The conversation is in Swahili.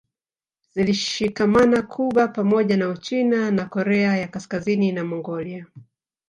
Zilishikamana Cuba pamoja na Uchina na Korea ya Kaskazini na Mongolia